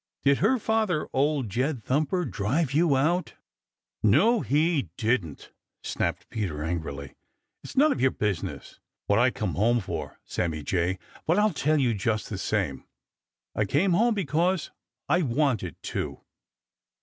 Did her father, Old Jed Thumper, drive you out?" "No, he didn't!" snapped Peter angrily, "It's none of your business what I came home for, Sammy Jay, but I'll tell you just the same. I came home because I wanted to."